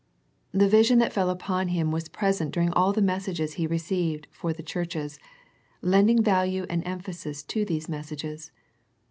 The vision that fell upon him was present during all the messages he received for the churches, lending value and emphasis to these messages.